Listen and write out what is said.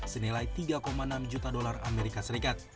senilai tiga enam juta dolar as